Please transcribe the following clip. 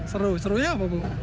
seru serunya apa bu